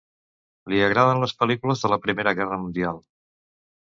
Li agraden les pel·lícules de la Primera Guerra Mundial.